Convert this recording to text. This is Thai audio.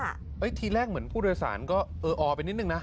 ทีแรกเหมือนผู้โดยสารก็เอออไปนิดนึงนะ